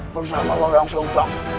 bersama orang yang seutang